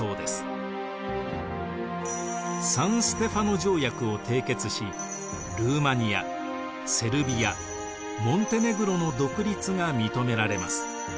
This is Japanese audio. サン＝ステファノ条約を締結しルーマニアセルビアモンテネグロの独立が認められます。